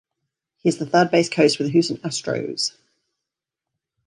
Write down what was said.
He is the third base coach with the Houston Astros.